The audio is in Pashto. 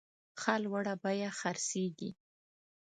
ښه لوړه بیه خرڅیږي.